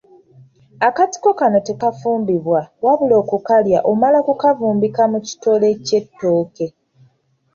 Akatiko kano tekafumbibwa wabula okukalya omala kukavumbika mu kitole ky’ettooke